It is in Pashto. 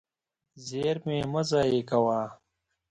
زېرمې مه ضایع کوه.